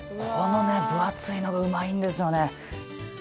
このね分厚いのがうまいんですよね。